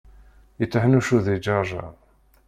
Yetteḥnuccuḍ di Ǧerǧer.